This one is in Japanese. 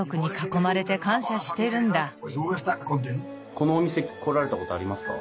このお店来られたことありますか？